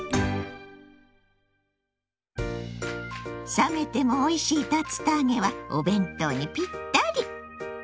冷めてもおいしい竜田揚げはお弁当にピッタリ。